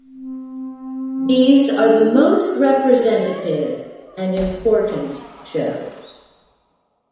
These are the most representative and important shows.